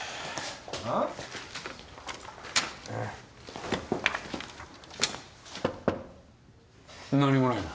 あぁ？何もないな。